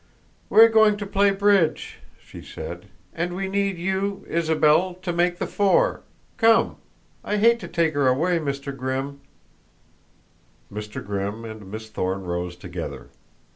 "We're going to play bridge," she said, "and we need you, Isabel, to make the four. Come. I hate to take her away, Mr. Grimm." Mr. Grimm and Miss Thorne rose together.